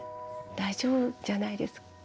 大丈夫じゃないですかね。